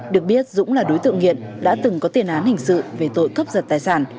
được biết dũng là đối tượng nghiện đã từng có tiền án hình sự về tội cướp giật tài sản